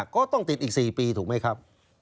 ก็ต้องติดอีก๔ปีถูกไหมครับ